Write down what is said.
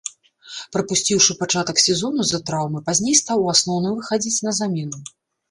Прапусціўшы пачатак сезону з-за траўмы, пазней стаў у асноўным выхадзіць на замену.